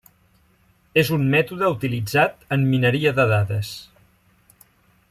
És un mètode utilitzat en mineria de dades.